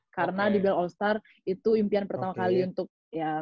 karena dbl all star itu impian pertama kali untuk ya